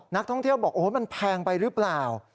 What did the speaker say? นักท่องเที่ยวบอกโอ้โหมันแพงไปหรือเปล่า